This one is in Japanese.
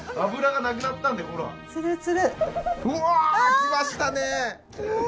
うわあ！きましたね。